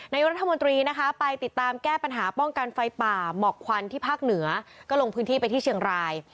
นายกรัฐมนตรีนะคะไปติดตามแก้ปัญหาป้องกันไฟป่าหมอกควันที่ภาคเหนือก็ลงพื้นที่ไปที่เชียงราย